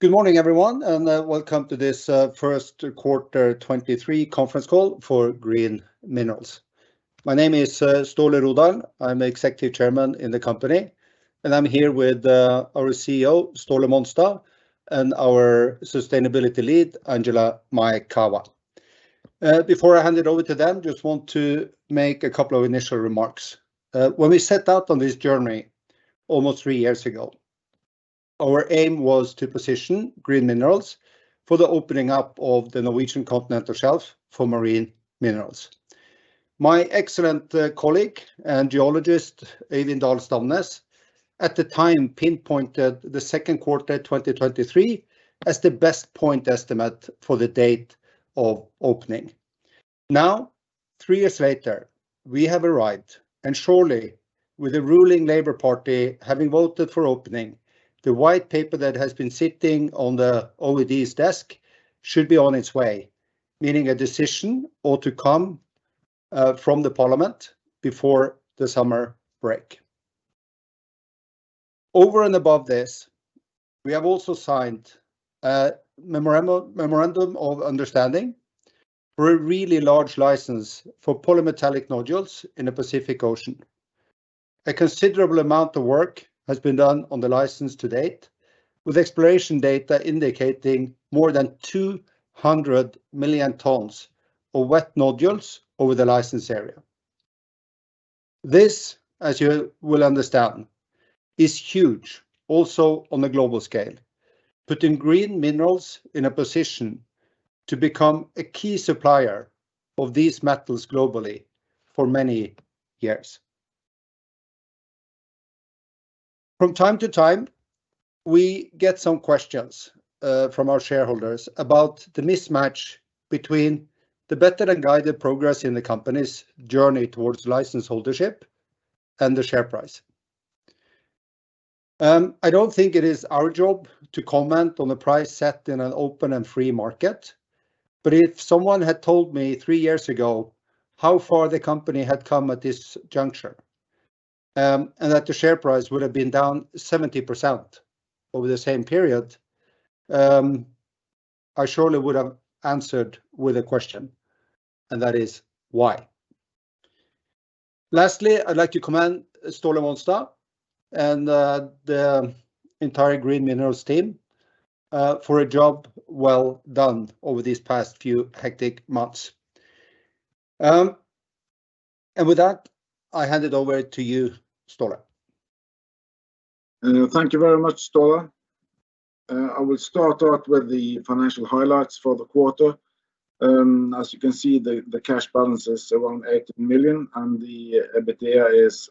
Good morning, everyone, welcome to this first quarter 2023 conference call for Green Minerals. My name is Ståle Rodahl. I'm the Executive Chairman in the company, and I'm here with our CEO, Ståle Monstad, and our Sustainability Lead, Angela Maekawa. Before I hand it over to them, just want to make a couple of initial remarks. When we set out on this journey almost 3 years ago, our aim was to position Green Minerals for the opening up of the Norwegian Continental Shelf for Marine Minerals. My excellent colleague and geologist, Øivind A Dahl-Stamnes, at the time, pinpointed the second quarter 2023 as the best point estimate for the date of opening. Now, three years later, we have arrived, and surely, with the ruling Labour Party having voted for opening, the white paper that has been sitting on the OED's desk should be on its way, meaning a decision ought to come from the parliament before the summer break. Over and above this, we have also signed a memorandum of understanding for a really large license for polymetallic nodules in the Pacific Ocean. A considerable amount of work has been done on the license to date, with exploration data indicating more than 200 million tons of wet nodules over the license area. This, as you will understand, is huge, also on a global scale, putting Green Minerals in a position to become a key supplier of these metals globally for many years. From time to time, we get some questions from our shareholders about the mismatch between the better-than-guided progress in the company's journey towards license holdership and the share price. I don't think it is our job to comment on the price set in an open and free market, but if someone had told me three years ago how far the company had come at this juncture, and that the share price would have been down 70% over the same period, I surely would have answered with a question, and that is, "Why?" Lastly, I'd like to commend Ståle Monstad and the entire Green Minerals team for a job well done over these past few hectic months. With that, I hand it over to you, Ståle. Thank you very much, Ståle. I will start out with the financial highlights for the quarter. As you can see, the cash balance is around 80 million, and the EBITDA is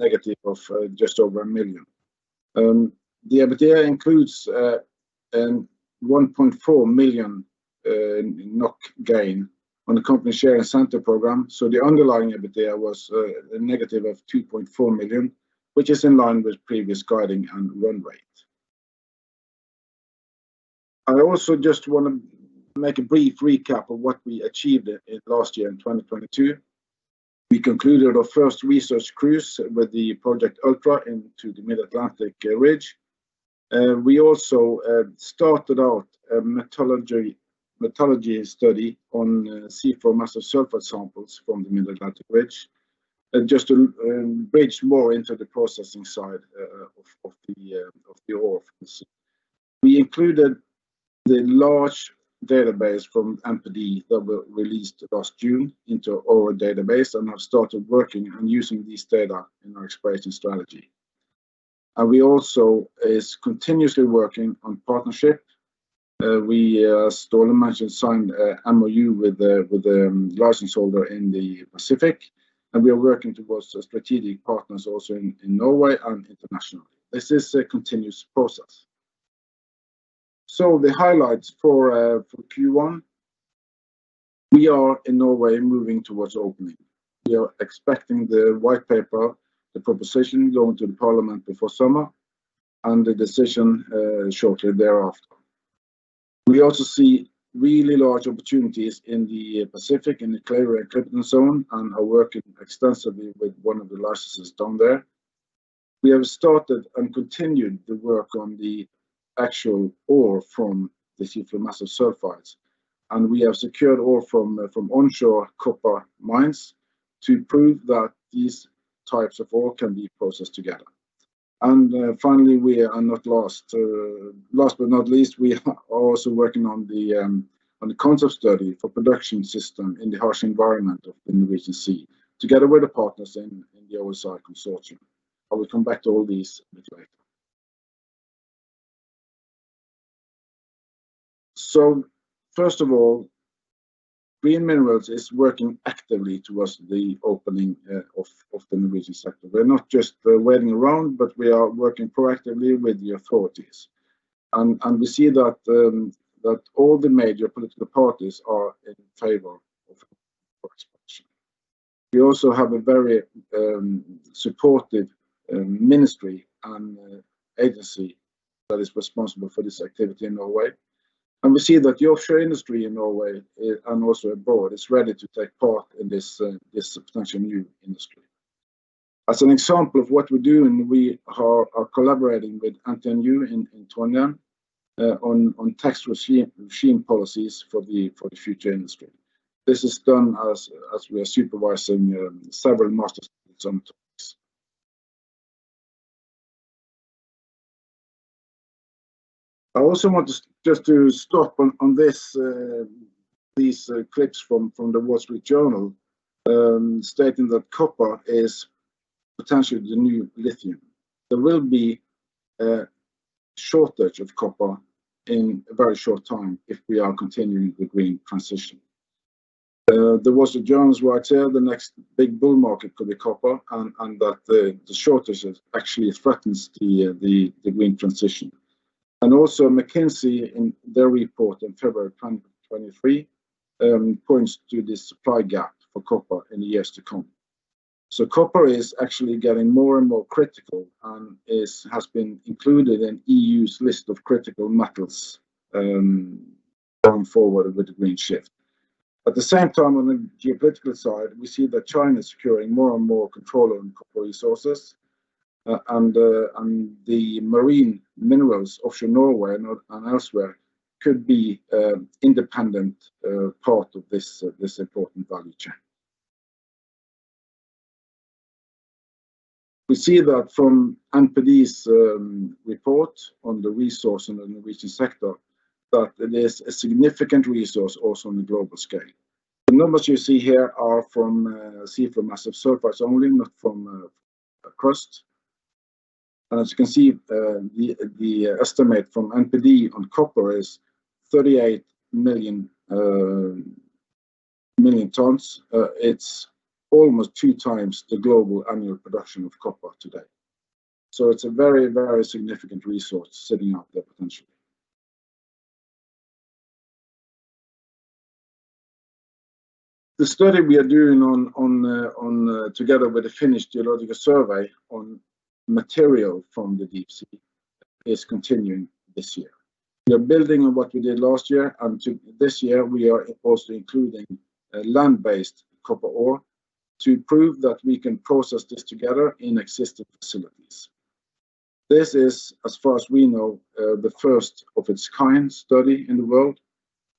negative of just over 1 million. The EBITDA includes 1.4 million NOK gain on the company share incentive program, so the underlying EBITDA was a negative of 2.4 million, which is in line with previous guiding and run rate. I also just want to make a brief recap of what we achieved last year in 2022. We concluded our first research cruise with Project Ultra into the Mid-Atlantic Ridge. We also started out a metallurgy study on seafloor massive sulfide samples from the Mid-Atlantic Ridge, just to bridge more into the processing side of the ore. We included the large database from NPD that were released last June into our database and have started working on using this data in our exploration strategy. We also is continuously working on partnership. We, Ståle mentioned, signed a MOU with the license holder in the Pacific, and we are working towards strategic partners also in Norway and internationally. This is a continuous process. The highlights for Q1. We are in Norway moving towards opening. We are expecting the white paper, the proposition, going to the parliament before summer, and the decision shortly thereafter. We also see really large opportunities in the Pacific, in the Clarion-Clipperton Zone, and are working extensively with one of the licenses down there. We have started and continued the work on the actual ore from the seafloor massive sulfides, and we have secured ore from onshore copper mines to prove that these types of ore can be processed together. Finally, Last but not least, we are also working on the concept study for production system in the harsh environment of the Norwegian Sea, together with the partners in the OSI consortium. I will come back to all these a bit later. First of all, Green Minerals is working actively towards the opening of the Norwegian sector. We're not just waiting around, but we are working proactively with the authorities. We see that all the major political parties are in favor of exploration. We also have a very supportive ministry and agency that is responsible for this activity in Norway. We see that the offshore industry in Norway, and also abroad, is ready to take part in this substantial new industry. As an example of what we're doing, we are collaborating with NTNU in Trondheim on tax regime policies for the future industry. This is done as we are supervising several master's students. I also want to just to stop on this, these clips from The Wall Street Journal, stating that copper is potentially the new lithium. There will be a shortage of copper in a very short time if we are continuing the green transition. The Wall Street Journal writes here, "The next big bull market could be copper," and that the shortages actually threatens the green transition. Also McKinsey, in their report in February 2023, points to this supply gap for copper in the years to come. Copper is actually getting more and more critical and has been included in EU's list of critical metals, going forward with the green shift. At the same time, on the geopolitical side, we see that China is securing more and more control on copper resources, and the marine minerals offshore Norway and elsewhere could be independent part of this important value chain. We see that from NPD's report on the resource and the Norwegian sector, that there's a significant resource also on a global scale. The numbers you see here are from seafloor massive sulfides only, not from crust. As you can see, the estimate from NPD on copper is 38 million tons. It's almost 2 times the global annual production of copper today. It's a very significant resource sitting out there potentially. The study we are doing on together with the Geological Survey of Finland on material from the deep sea is continuing this year. We are building on what we did last year. To this year, we are also including land-based copper ore to prove that we can process this together in existing facilities. This is, as far as we know, the first of its kind study in the world,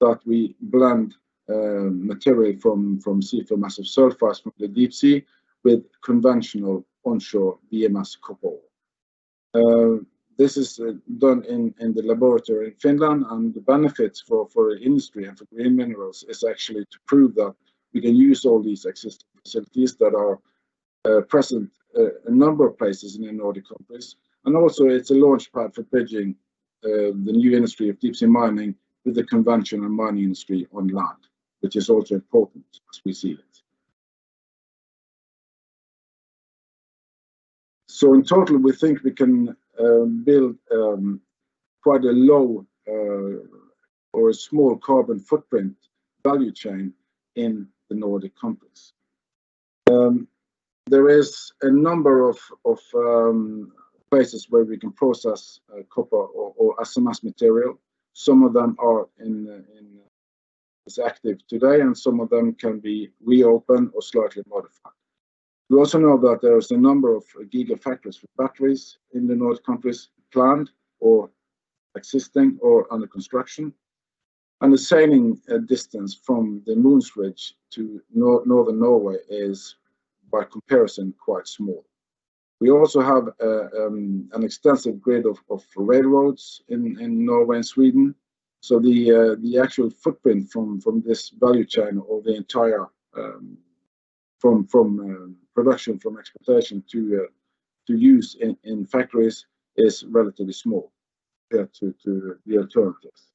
that we blend material from seafloor massive sulfides from the deep sea with conventional onshore VMS copper ore. This is done in the laboratory in Finland. The benefits for industry and for Green Minerals is actually to prove that we can use all these existing facilities that are present a number of places in the Nordic countries. Also, it's a launch pad for bridging the new industry of deep-sea mining with the conventional mining industry on land, which is also important as we see it. In total, we think we can build quite a low or a small carbon footprint value chain in the Nordic countries. There is a number of places where we can process copper or SMS material. Some of them are active today, and some of them can be reopened or slightly modified. We also know that there is a number of gigafactories for batteries in the North countries planned or existing or under construction, and the sailing distance from the Mohns Ridge to Northern Norway is, by comparison, quite small. We also have an extensive grid of railroads in Norway and Sweden, so the actual footprint from this value chain or the entire from production, from exportation to use in factories, is relatively small compared to the alternatives.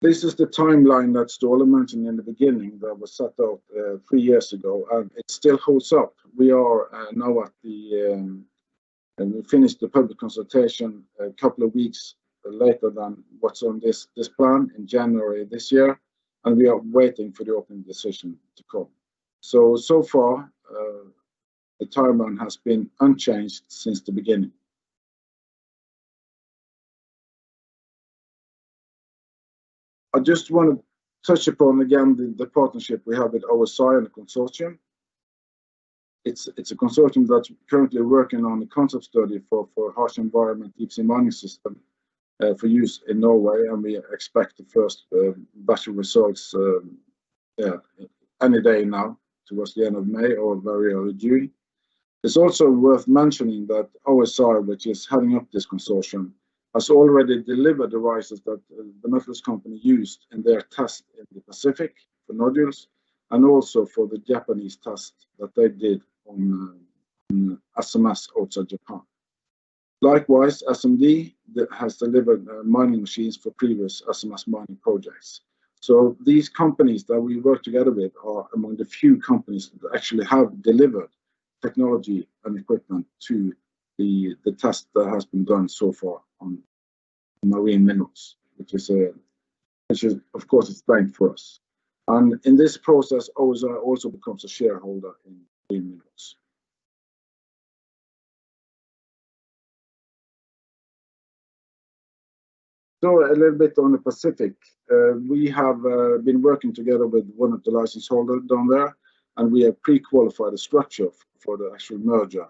This is the timeline that Ståle mentioned in the beginning, that was set out 3 years ago, and it still holds up. We finished the public consultation a couple of weeks later than what's on this plan in January this year, and we are waiting for the open decision to come. So far, the timeline has been unchanged since the beginning. I just want to touch upon again the partnership we have with OSI and the consortium. It's a consortium that's currently working on a concept study for harsh environment deep-sea mining system for use in Norway. We expect the first batch of results, yeah, any day now, towards the end of May or very early June. It's also worth mentioning that OSI, which is heading up this consortium, has already delivered devices that The Metals Company used in their test in the Pacific for nodules and also for the Japanese test that they did on SMS outside Japan. Likewise, SMD has delivered mining machines for previous SMS mining projects. These companies that we work together with are among the few companies that actually have delivered technology and equipment to the test that has been done so far. Marine Minerals, which is of course, it's bank for us. In this process, Ozar also becomes a shareholder in Green Minerals. A little bit on the Pacific. We have been working together with one of the license holder down there, and we have pre-qualified a structure for the actual merger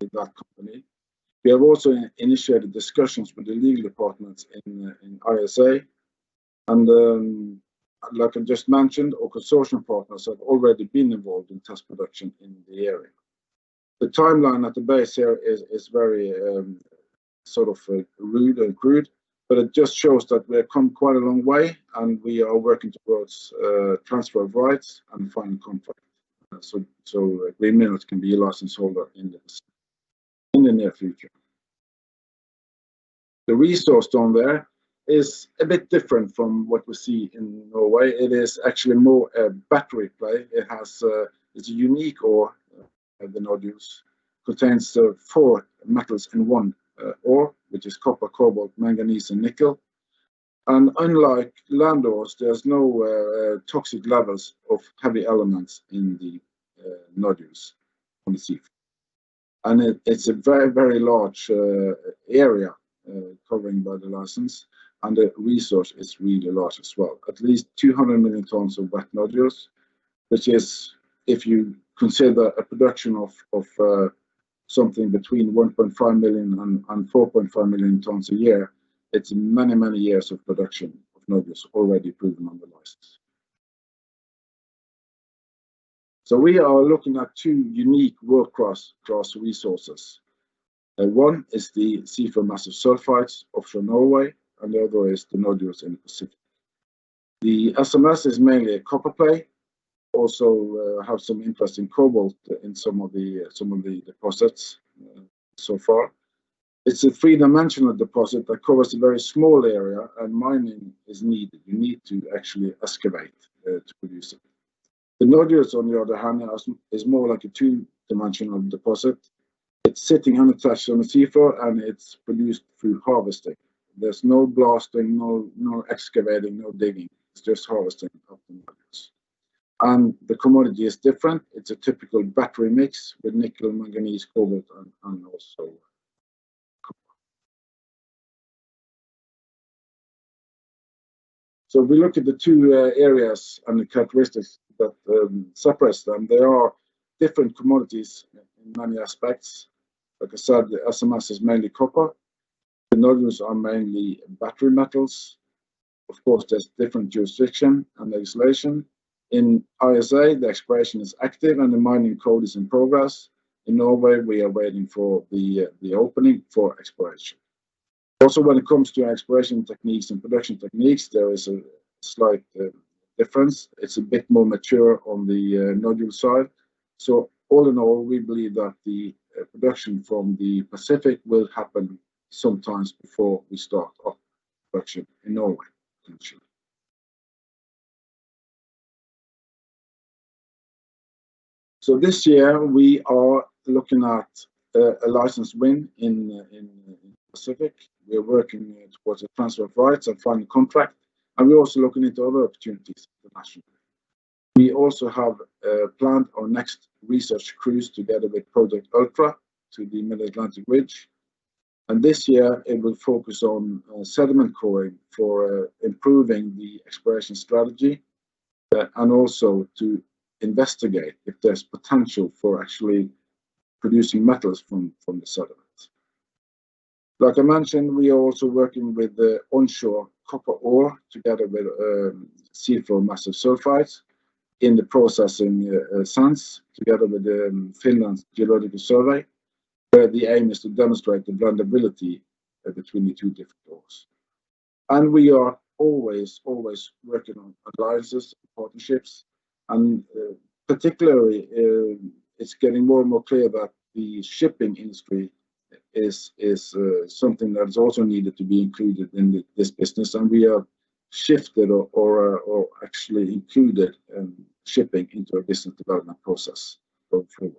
with that company. We have also initiated discussions with the legal departments in ISA, and like I just mentioned, our consortium partners have already been involved in test production in the area. The timeline at the base here is very sort of rude and crude, but it just shows that we have come quite a long way, and we are working towards transfer of rights and final contract. Green Minerals can be a license holder in this in the near future. The resource down there is a bit different from what we see in Norway. It is actually more a battery play. It has, it's a unique ore, the nodules. Contains the 4 metals in one ore, which is copper, cobalt, manganese, and nickel. Unlike land ores, there's no toxic levels of heavy elements in the nodules on the sea. It's a very large area covering by the license, and the resource is really large as well. At least 200 million tons of wet nodules, which is, if you consider a production of something between 1.5 million and 4.5 million tons a year, it's many years of production of nodules already proven on the license. We are looking at 2 unique world-class resources. One is the seafloor massive sulfides off from Norway, and the other is the nodules in the Pacific. The SMS is mainly a copper play, also, have some interest in cobalt in some of the deposits so far. It's a three-dimensional deposit that covers a very small area, and mining is needed. You need to actually excavate to produce it. The nodules, on the other hand, is more like a two-dimensional deposit. It's sitting on the threshold on the seafloor, and it's produced through harvesting. There's no blasting, no excavating, no digging. It's just harvesting of the nodules. The commodity is different. It's a typical battery mix with nickel, manganese, cobalt, and also copper. If we look at the two areas and the characteristics that separates them, they are different commodities in many aspects. Like I said, the SMS is mainly copper. The nodules are mainly battery metals. Of course, there's different jurisdiction and legislation. In ISA, the exploration is active, and the Mining Code is in progress. In Norway, we are waiting for the opening for exploration. When it comes to exploration techniques and production techniques, there is a slight difference. It's a bit more mature on the nodule side. All in all, we believe that the production from the Pacific will happen sometimes before we start our production in Norway, potentially. This year, we are looking at a license win in Pacific. We are working towards a transfer of rights and final contract, and we're also looking into other opportunities internationally. We also have planned our next research cruise together with Project Ultra to the Mid-Atlantic Ridge, and this year it will focus on sediment coring for improving the exploration strategy and also to investigate if there's potential for actually producing metals from the sediments. Like I mentioned, we are also working with the onshore copper ore, together with Seafloor Massive Sulfides in the processing science, together with the Geological Survey of Finland, where the aim is to demonstrate the blendability between the 2 different ores. We are always working on alliances, partnerships, and particularly, it's getting more and more clear that the shipping industry is something that is also needed to be included in this business, and we have shifted or actually included shipping into our business development process going forward.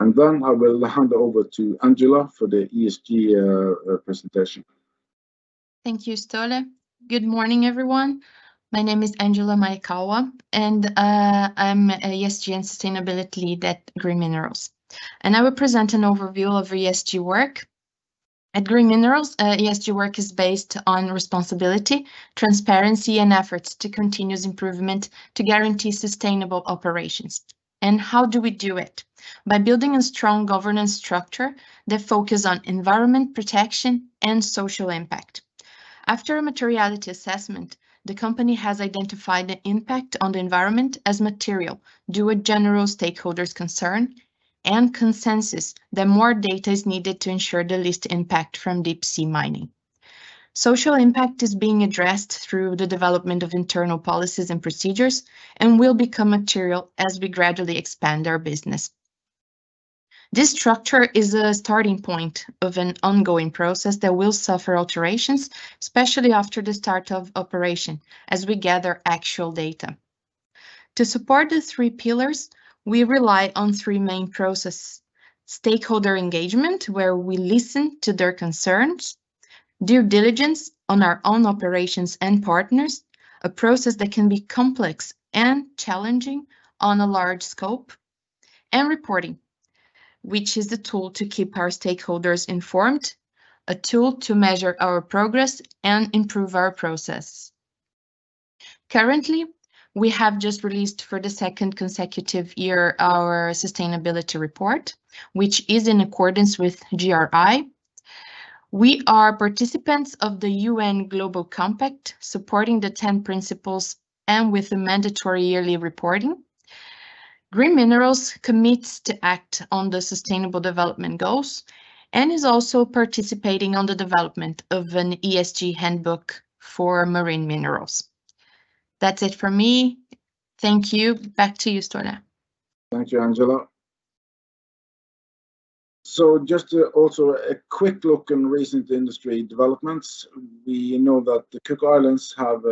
I will hand over to Angela for the ESG presentation. Thank you, Ståle. Good morning, everyone. My name is Angela Maekawa, and I'm a ESG and Sustainability Lead at Green Minerals. I will present an overview of our ESG work. At Green Minerals, ESG work is based on responsibility, transparency, and efforts to continuous improvement to guarantee sustainable operations. How do we do it? By building a strong governance structure that focus on environment protection and social impact. After a materiality assessment, the company has identified the impact on the environment as material, due a general stakeholder's concern and consensus that more data is needed to ensure the least impact from deep-sea mining. Social impact is being addressed through the development of internal policies and procedures and will become material as we gradually expand our business. This structure is a starting point of an ongoing process that will suffer alterations, especially after the start of operation, as we gather actual data. To support the three pillars, we rely on three main process: stakeholder engagement, where we listen to their concerns. Due diligence on our own operations and partners, a process that can be complex and challenging on a large scope. Reporting, which is the tool to keep our stakeholders informed, a tool to measure our progress, and improve our process. Currently, we have just released, for the second consecutive year, our sustainability report, which is in accordance with GRI. We are participants of the UN Global Compact, supporting the 10 principles and with the mandatory yearly reporting. Green Minerals commits to act on the Sustainable Development Goals, is also participating on the development of an ESG handbook for Marine Minerals. That's it for me. Thank you. Back to you, Ståle. Thank you, Angela. Just also a quick look in recent industry developments. We know that the Cook Islands have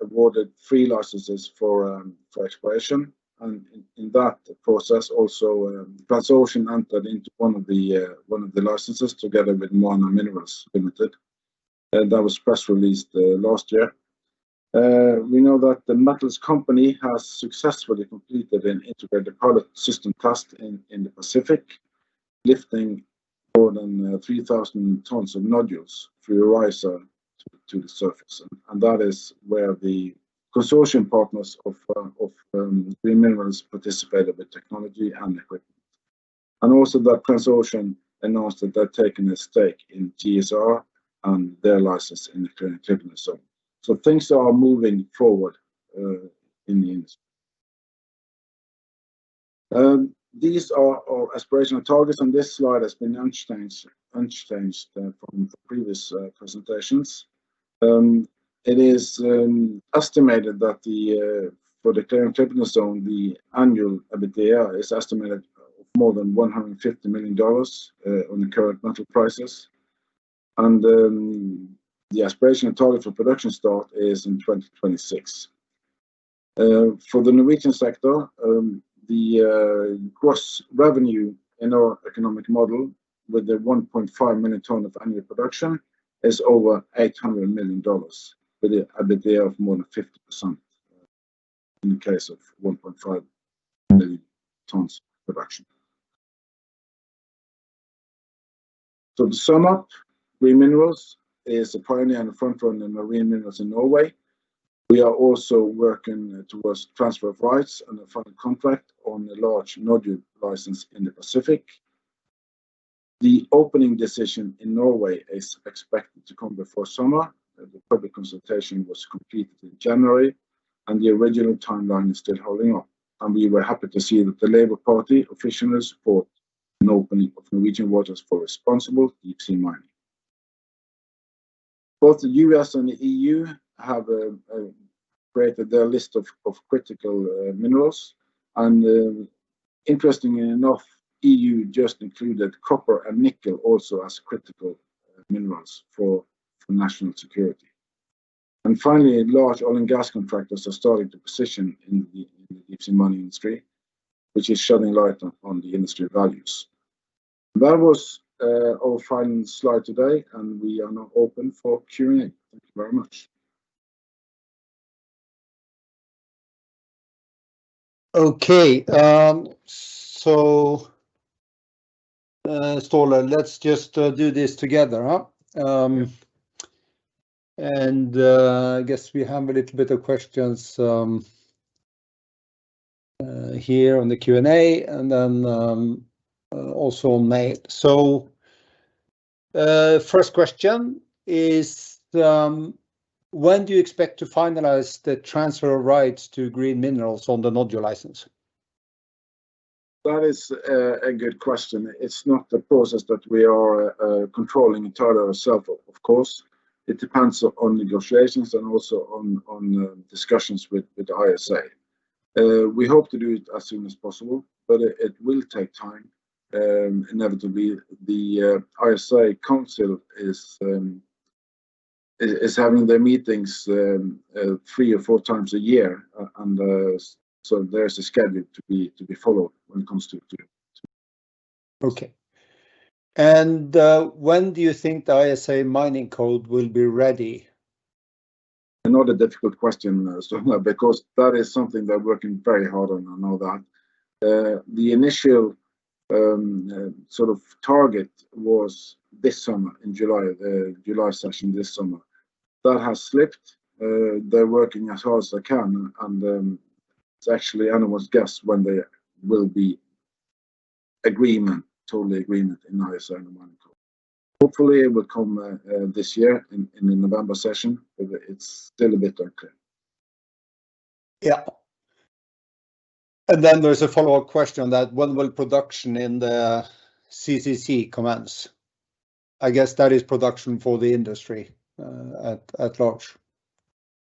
awarded three licenses for exploration, and in that process, also, Transocean entered into one of the licenses together with Moana Minerals Limited, and that was press released last year. We know that The Metals Company has successfully completed an integrated product system test in the Pacific, lifting more than 3,000 tons of nodules through a riser to the surface, and that is where the consortium partners of Green Minerals participated with technology and equipment. Also that Transocean announced that they've taken a stake in GSR and their license in the Clarion-Clipperton. Things are moving forward in the industry. These are our aspirational targets. This slide has been unchanged from the previous presentations. It is estimated that for the Clarion-Clipperton Zone, the annual EBITDA is estimated of more than $150 million on the current metal prices. The aspirational target for production start is in 2026. For the Norwegian sector, the gross revenue in our economic model with the 1.5 million ton of annual production is over $800 million, with a EBITDA of more than 50%, in the case of 1.5 million tons production. To sum up, Green Minerals is a pioneer on the forefront in Marine Minerals in Norway. We are also working towards transfer of rights and a final contract on a large nodule license in the Pacific. The opening decision in Norway is expected to come before summer. The public consultation was completed in January, and the original timeline is still holding on, and we were happy to see that the Labour Party officially support an opening of Norwegian waters for responsible deep-sea mining. Both the U.S. and the EU have created their list of critical minerals, interestingly enough, EU just included copper and nickel also as critical minerals for national security. Finally, large oil and gas contractors are starting to position in the deep-sea mining industry, which is shedding light on the industry values. That was our final slide today, and we are now open for Q&A. Thank you very much. Okay, Ståle, let's just do this together, huh? I guess we have a little bit of questions here on the Q&A, and then also on mail. First question is: When do you expect to finalize the transfer of rights to Green Minerals on the nodule license? That is a good question. It's not a process that we are controlling entirely ourself, of course. It depends on negotiations and also on discussions with the ISA. We hope to do it as soon as possible, but it will take time. Inevitably, the ISA council is having their meetings three or four times a year, so there's a schedule to be followed when it comes to doing it. Okay. When do you think the ISA Mining Code will be ready? Another difficult question, Ståle, because that is something they're working very hard on, I know that. The initial, sort of target was this summer, in July session this summer. That has slipped. They're working as hard as they can, and it's actually anyone's guess when there will be agreement, total agreement in ISA Mining Code. Hopefully, it will come, this year, in the November session, but it's still a bit unclear. Yeah. Then there's a follow-up question that, when will production in the CCZ commence? I guess that is production for the industry at large.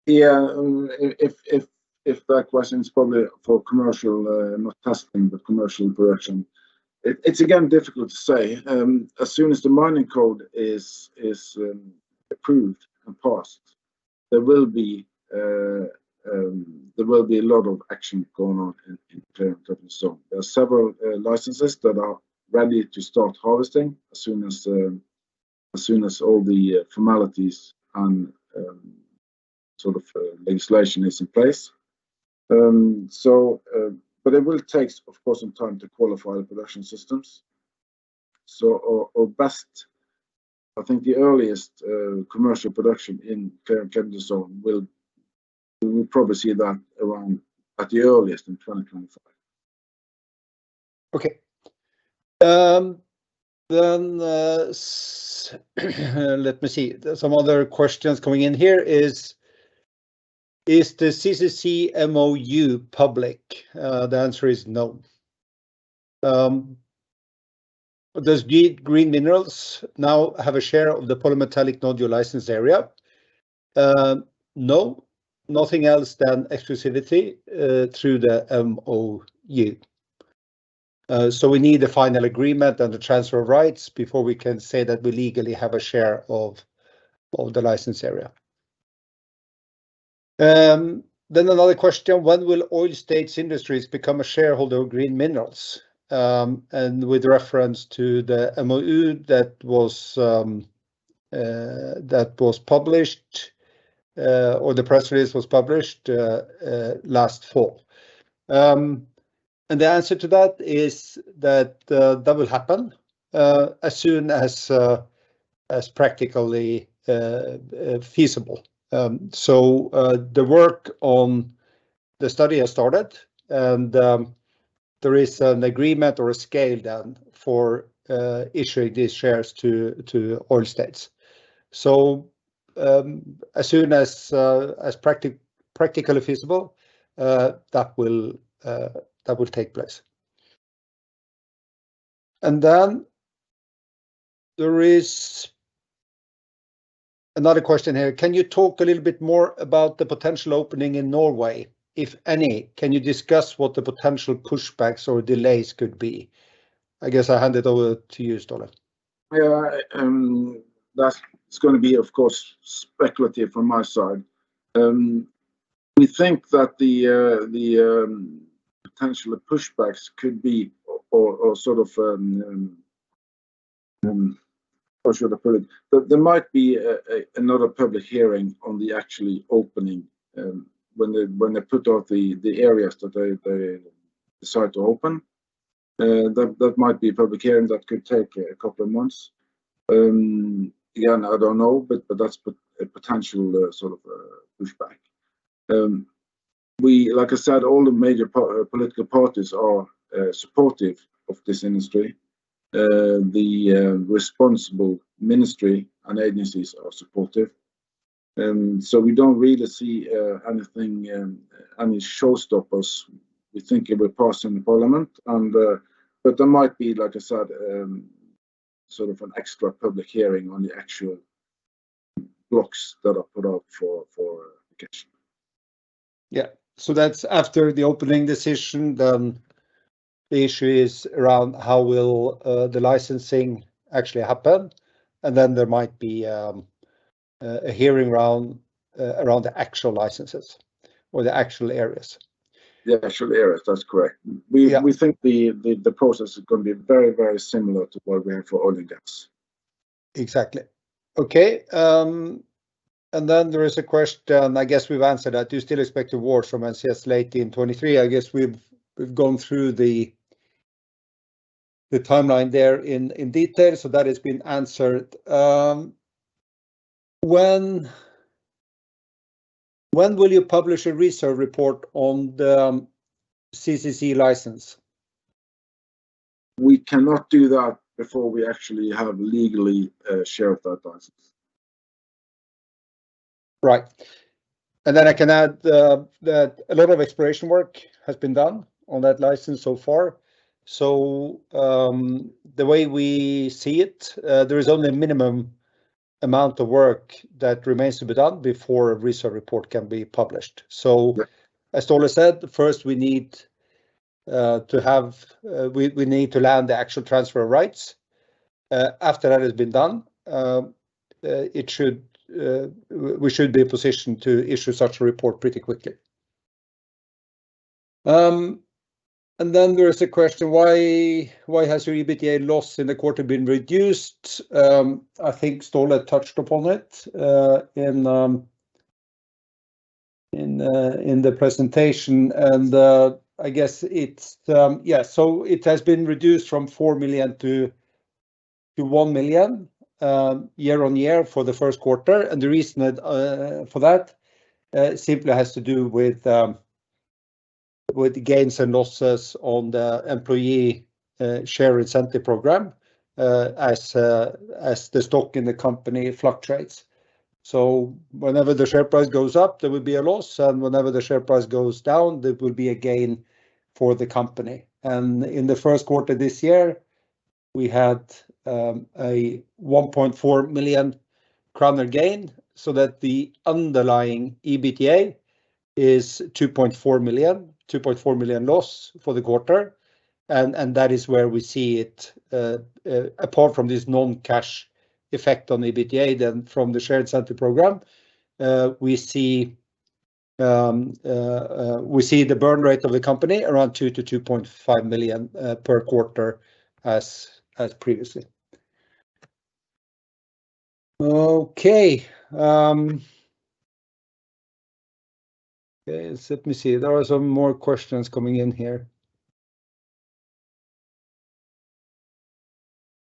If that question is probably for commercial, not testing, but commercial production, it's again, difficult to say. As soon as the Mining Code is approved and passed, there will be a lot of action going on in terms of it. There are several licenses that are ready to start harvesting as soon as all the formalities and sort of legislation is in place. But it will take, of course, some time to qualify the production systems. Our best, I think the earliest commercial production in Clarion-Clipperton Zone, we will probably see that around at the earliest, in 2025. Okay. Let me see. There are some other questions coming in here, is the CCZ MOU public? The answer is no. Does Green Minerals now have a share of the polymetallic nodule license area? No, nothing else than exclusivity through the MOU. We need the final agreement and the transfer of rights before we can say that we legally have a share of the license area. Another question: When will Oil States Industries become a shareholder of Green Minerals? With reference to the MOU that was published, or the press release was published last fall. The answer to that is that that will happen as soon as as practically feasible. The work on the study has started, there is an agreement or a scale down for issuing these shares to Oil States. As soon as practically feasible, that will take place. There is another question here: Can you talk a little bit more about the potential opening in Norway, if any? Can you discuss what the potential pushbacks or delays could be? I guess I'll hand it over to you, Ståle. Yeah, that's gonna be, of course, speculative from my side. We think that the potential pushbacks could be or sort of, how should I put it? There might be another public hearing on the actually opening, when they put out the areas that they decide to open. That might be a public hearing that could take a couple of months. Again, I don't know, but that's a potential sort of pushback. We like I said, all the major political parties are supportive of this industry. The responsible ministry and agencies are supportive, so we don't really see anything, any show stoppers. We think it will pass in the parliament, but there might be, like I said, sort of an extra public hearing on the actual blocks that are put up for discussion. Yeah. That's after the opening decision, then the issue is around how will the licensing actually happen? There might be a hearing round around the actual licenses or the actual areas. The actual areas, that's correct. Yeah. We think the process is gonna be very, very similar to what we have for oil and gas. Exactly. Okay, then there is a question, I guess we've answered that. Do you still expect awards from NCS late in 2023? I guess we've gone through the timeline there in detail, so that has been answered. When will you publish a reserve report on the CCZ license? We cannot do that before we actually have legally, share of that license. Right. Then I can add, that a lot of exploration work has been done on that license so far. The way we see it, there is only a minimum amount of work that remains to be done before a reserve report can be published. Right. As Ståle said, first we need to have, we need to land the actual transfer of rights. After that has been done, it should, we should be in position to issue such a report pretty quickly. There is a question: Why has your EBITDA loss in the quarter been reduced? I think Ståle touched upon it in the presentation, I guess it's... It has been reduced from 4 million to 1 million year-on-year for the first quarter. The reason that for that simply has to do with gains and losses on the employee share incentive program as the stock in the company fluctuates. Whenever the share price goes up, there will be a loss, and whenever the share price goes down, there will be a gain for the company. In the first quarter this year, we had a 1.4 million kroner gain, so that the underlying EBITDA is 2.4 million loss for the quarter. That is where we see it apart from this non-cash effect on the EBITDA, from the shared center program, we see the burn rate of the company around 2 million-2.5 million per quarter as previously. Let me see. There are some more questions coming in here.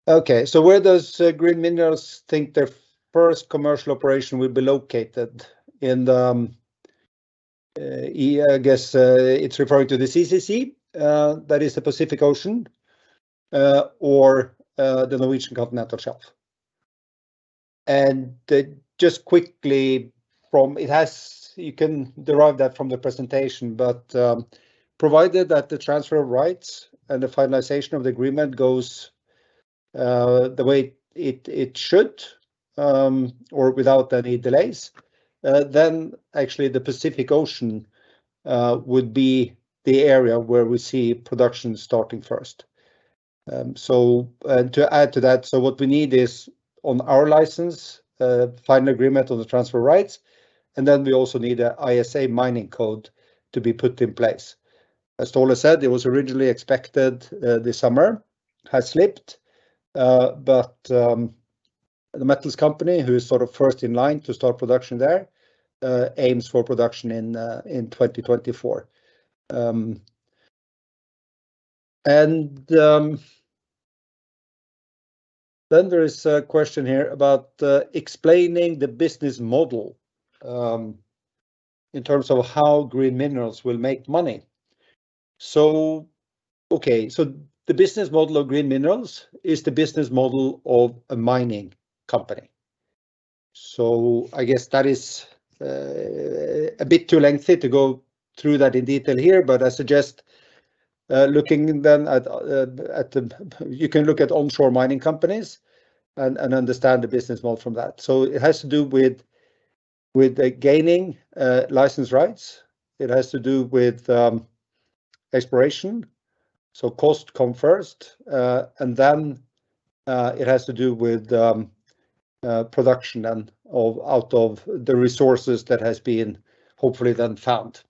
Where does Green Minerals think their first commercial operation will be located? In the, I guess, it's referring to the CCZ, that is the Pacific Ocean, or the Norwegian Continental Shelf. Just quickly, you can derive that from the presentation, but provided that the transfer of rights and the finalization of the agreement goes the way it should, or without any delays, then actually the Pacific Ocean would be the area where we see production starting first. To add to that, so what we need is on our license, final agreement on the transfer rights, and then we also need a ISA Mining Code to be put in place. As Ståle said, it was originally expected, this summer, has slipped, but The Metals Company, who is sort of first in line to start production there, aims for production in 2024. Then there is a question here about explaining the business model in terms of how Green Minerals will make money. Okay, the business model of Green Minerals is the business model of a mining company. I guess that is a bit too lengthy to go through that in detail here, but I suggest looking then at you can look at onshore mining companies and understand the business model from that. It has to do with gaining license rights. It has to do with exploration. Cost come first, and then it has to do with production out of the resources that has been hopefully then found.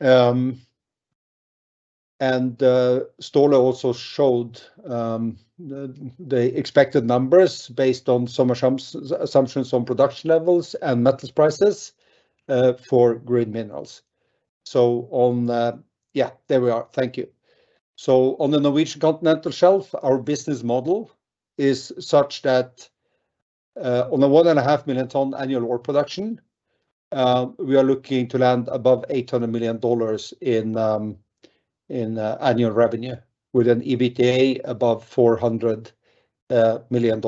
Ståle also showed the expected numbers based on some assumptions on production levels and metals prices for Green Minerals. On the Norwegian Continental Shelf, our business model is such that on the 1.5 million ton annual ore production, we are looking to land above $800 million in annual revenue, with an EBITDA above $400 million.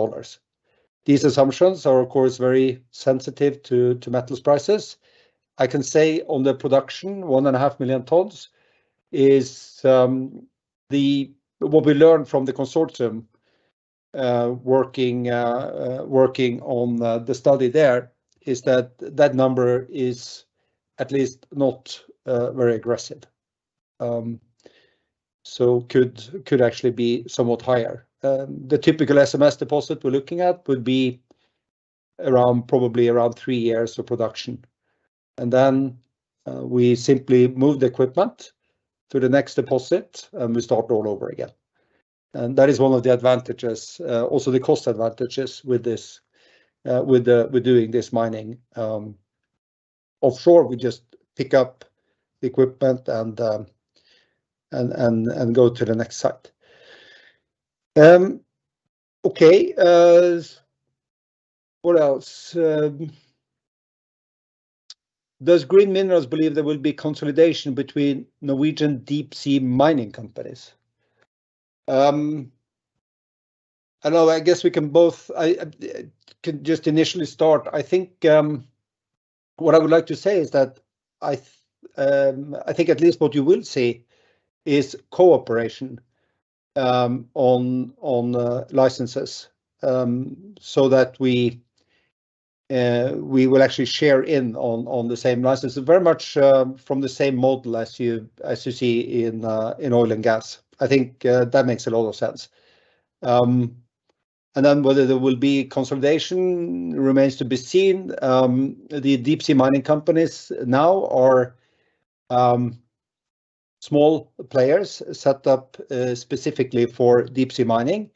These assumptions are, of course, very sensitive to metals prices. I can say on the production, 1.5 million tons is what we learned from the consortium, working on the study there, is that that number is at least not very aggressive. So could actually be somewhat higher. The typical SMS deposit we're looking at would be around, probably around 3 years of production. Then, we simply move the equipment to the next deposit, and we start all over again. That is one of the advantages, also the cost advantages with this, with doing this mining. Offshore, we just pick up the equipment and go to the next site. Okay, what else? Does Green Minerals believe there will be consolidation between Norwegian deep-sea mining companies? I know, I guess we can both... I can just initially start. I think what I would like to say is that, I think at least what you will see is cooperation on licenses. That we will actually share in on the same license, very much from the same model as you see in oil and gas. I think that makes a lot of sense. Whether there will be consolidation remains to be seen. The deep-sea mining companies now are small players set up specifically for deep-sea mining,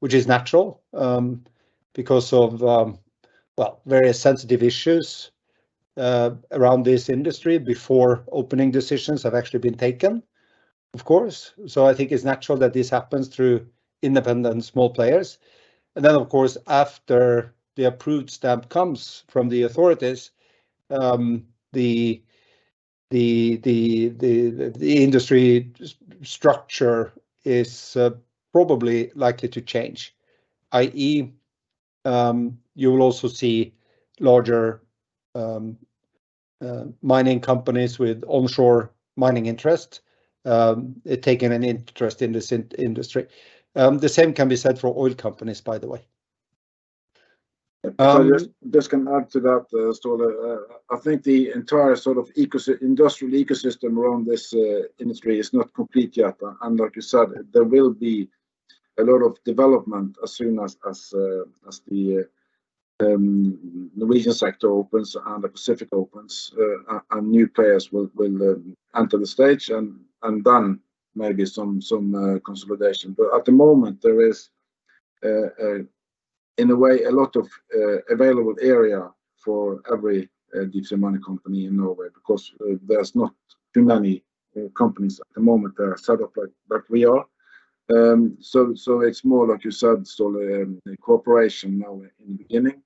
which is natural because of, well, various sensitive issues around this industry before opening decisions have actually been taken, of course. I think it's natural that this happens through independent small players. Then, of course, after the approved stamp comes from the authorities, the industry structure is probably likely to change, i.e., you will also see larger mining companies with onshore mining interests taking an interest in this industry. The same can be said for oil companies, by the way. ... I just can add to that, Ståle, I think the entire sort of industrial ecosystem around this industry is not complete yet. Like you said, there will be a lot of development as soon as the region sector opens and the Pacific opens, and new players will enter the stage, and then maybe some consolidation. At the moment there is in a way a lot of available area for every deep seawater company in Norway, because there's not too many companies at the moment that are set up like we are. It's more like you said, Ståle, the cooperation now in the beginning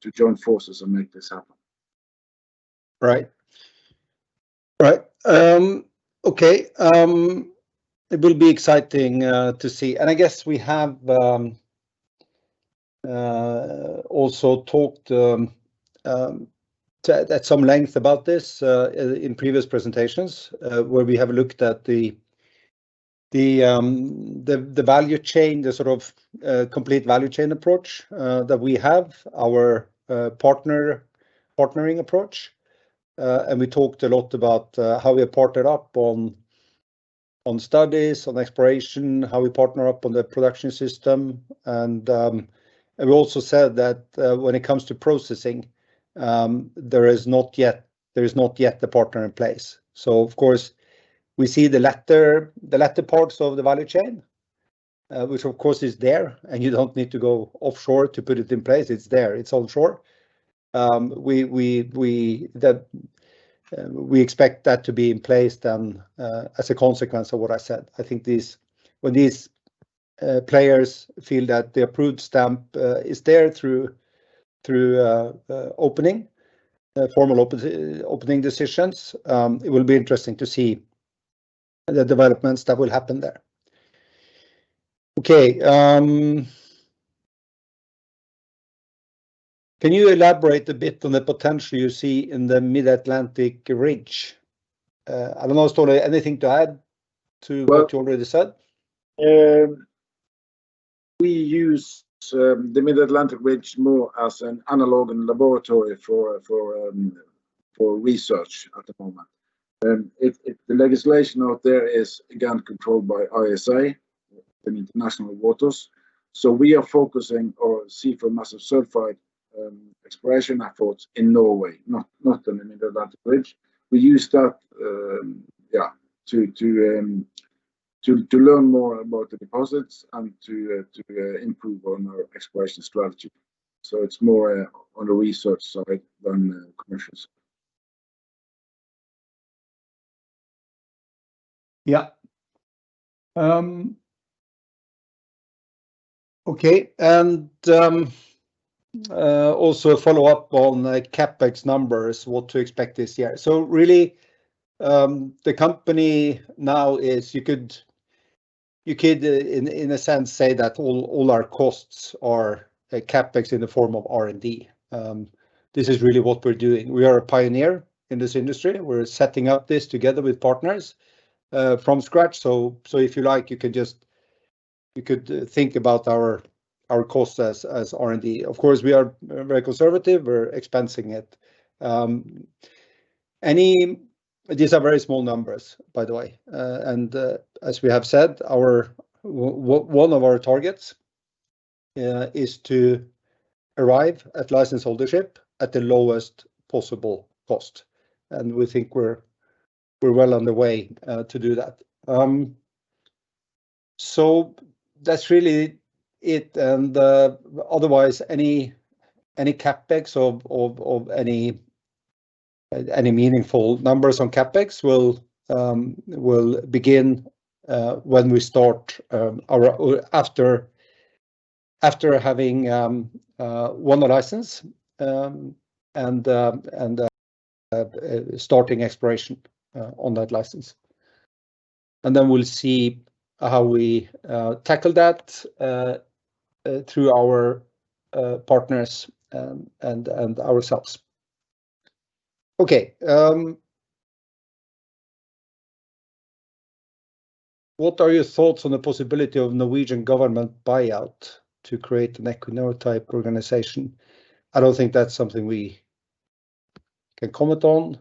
to join forces and make this happen. Right. Right. Okay, it will be exciting to see. I guess we have also talked at some length about this in previous presentations, where we have looked at the value chain, the sort of complete value chain approach that we have, our partnering approach. We talked a lot about how we partnered up on studies, on exploration, how we partner up on the production system. We also said that when it comes to processing, there is not yet the partner in place. Of course, we see the latter parts of the value chain, which of course is there, and you don't need to go offshore to put it in place. It's there, it's onshore. We expect that to be in place then as a consequence of what I said. I think this, when these players feel that the approved stamp is there through opening decisions, it will be interesting to see the developments that will happen there. Can you elaborate a bit on the potential you see in the Mid-Atlantic Ridge? I don't know, Ståle, anything to add to- Well- What you already said? We use the Mid-Atlantic Ridge more as an analog and laboratory for research at the moment. The legislation out there is, again, controlled by ISA, the international waters. We are focusing on seafloor massive sulfide exploration efforts in Norway, not on the Mid-Atlantic Ridge. We use that to learn more about the deposits and to improve on our exploration strategy. It's more on the research side than commercials. Yeah. Okay, also a follow-up on the CapEx numbers, what to expect this year. Really, the company now is, you could, in a sense, say that all our costs are a CapEx in the form of R&D. This is really what we're doing. We are a pioneer in this industry. We're setting up this together with partners from scratch. If you like, you could think about our costs as R&D. Of course, we are very conservative. We're expensing it. These are very small numbers, by the way. As we have said, one of our targets is to arrive at license ownership at the lowest possible cost, and we think we're well on the way to do that. So that's really it, and otherwise, any CapEx or any meaningful numbers on CapEx will begin when we start our after having one license and starting exploration on that license. Then we'll see how we tackle that through our partners and ourselves. Okay, what are your thoughts on the possibility of Norwegian government buyout to create an Equinor-type organization? I don't think that's something we can comment on.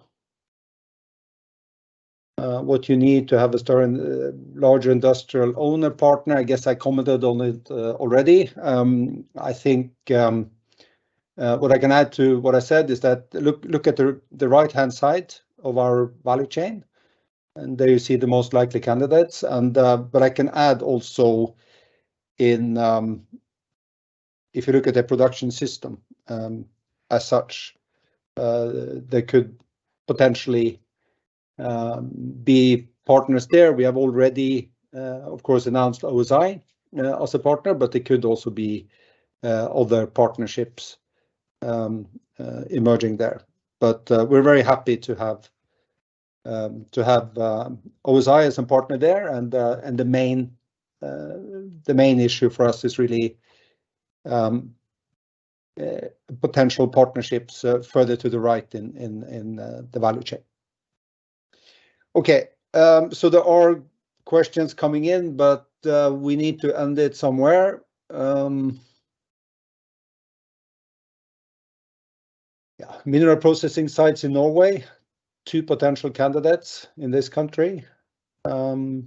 What you need to have a strong, larger industrial owner partner, I guess I commented on it already. I think, what I can add to what I said is that look at the right-hand side of our value chain. I can add also in, if you look at the production system, as such, there could potentially be partners there. We have already, of course, announced OSI as a partner, but there could also be other partnerships emerging there. We're very happy to have OSI as a partner there, and the main issue for us is really, potential partnerships, further to the right in the value chain. Okay, there are questions coming in, but, we need to end it somewhere. Mineral processing sites in Norway, two potential candidates in this country. There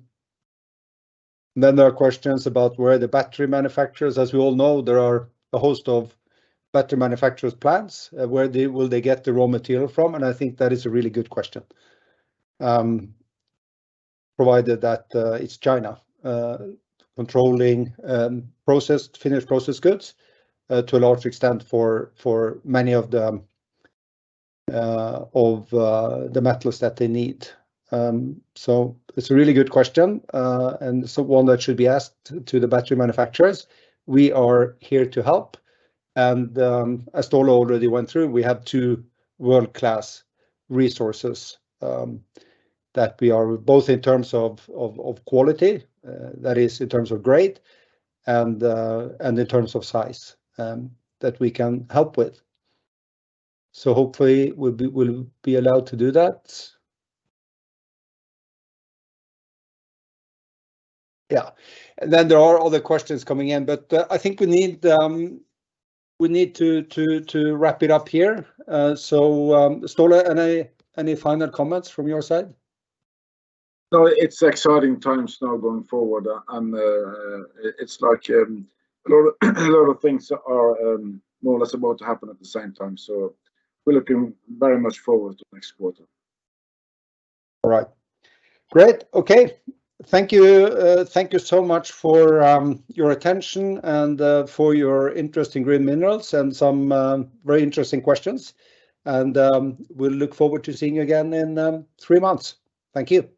are questions about where the battery manufacturers, as we all know, there are a host of battery manufacturers plants, where they will get the raw material from. I think that is a really good question. Provided that it's China controlling processed, finished processed goods to a large extent for many of the metals that they need. It's a really good question, one that should be asked to the battery manufacturers. We are here to help, and, as Ståle already went through, we have two world-class resources, that we are both in terms of quality, that is, in terms of grade and in terms of size, that we can help with. Hopefully we'll be allowed to do that. Yeah. There are other questions coming in, but, I think we need, we need to wrap it up here. Ståle, any final comments from your side? No, it's exciting times now going forward, and it's like a lot of things are more or less about to happen at the same time, so we're looking very much forward to next quarter. All right. Great. Okay. Thank you. Thank you so much for your attention and for your interest in Green Minerals and some very interesting questions, and we'll look forward to seeing you again in three months. Thank you.